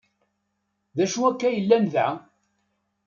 D acu akka yellan da?